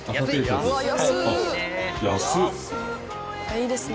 いいですね。